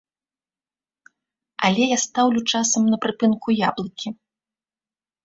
Але я стаўлю часам на прыпынку яблыкі.